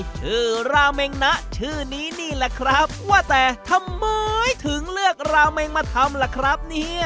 ชื่อราเมงนะชื่อนี้นี่แหละครับว่าแต่ทำไมถึงเลือกราเมงมาทำล่ะครับเนี่ย